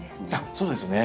そうですね。